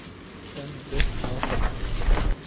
Em bi dest naxin.